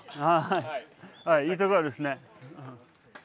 いいところですね。